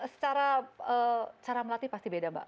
secara cara melatih pasti beda mbak